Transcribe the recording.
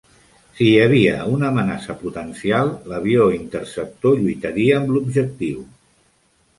Si hi havia una amenaça potencial, l"avió interceptor lluitaria amb l"objectiu.